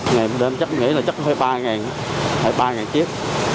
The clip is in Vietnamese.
ngày đêm chắc nghĩ là chắc phải ba ngàn ba ngàn chiếc